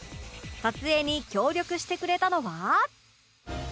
撮影に協力してくれたのは